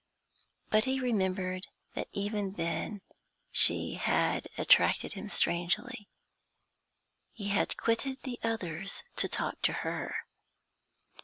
But he remembered that even then she had attracted him strangely; he had quitted the others to talk to her.